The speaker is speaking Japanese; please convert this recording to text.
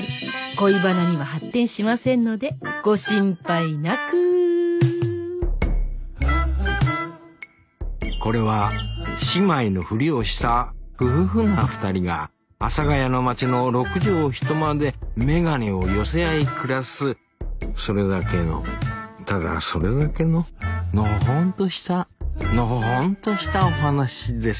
恋バナには発展しませんのでご心配なくこれは姉妹のフリをしたふふふな２人が阿佐ヶ谷の町の６畳一間で眼鏡を寄せ合い暮らすそれだけのただそれだけののほほんとしたのほほんとしたお話です